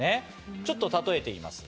ちょっと例えて言います。